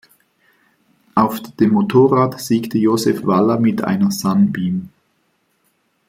Auf dem Motorrad siegte Josef Walla mit einer Sunbeam.